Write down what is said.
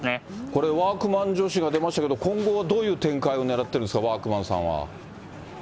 これ、ワークマン女子が出ましたけれども、今後はどういう展開を狙ってるんですか、ワークマンさんは。